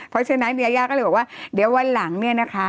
เพราะฉะนั้นมียายาก็เลยบอกว่าเดี๋ยววันหลังเนี่ยนะคะ